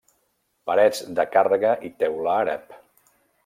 Parets de càrrega i teula àrab.